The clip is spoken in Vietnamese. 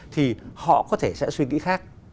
thì họ có thể sẽ suy nghĩ khác